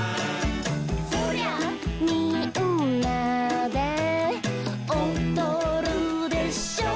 「そりゃみんなでおどるでしょ！」